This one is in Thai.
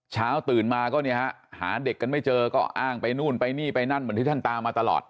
เช้าตื่นมาก็เนี่ยฮะหาเด็กกันไม่เจอก็อ้างไปนู่นไปนี่ไปนั่นเหมือนที่ท่านตามมาตลอด